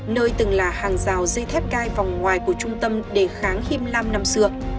nơi từng là hàng rào dây thép cai vòng ngoài của trung tâm đề kháng him lam năm xưa